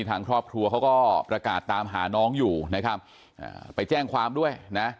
ทางครอบครัวเขาก็ประกาศตามหาน้องอยู่นะครับไปแจ้งความด้วยนะ